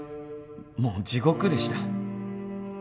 もう地獄でした。